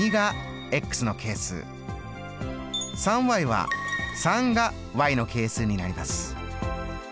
３は３がの係数になります。